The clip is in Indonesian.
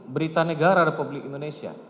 berita negara republik indonesia